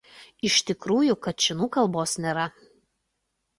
Iš tikrųjų kačinų kalbos nėra.